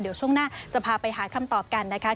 เดี๋ยวช่วงหน้าจะพาไปหาคำตอบกันนะคะ